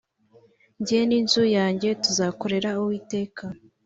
njye ni nzu yanjye tuzakorera uwiteka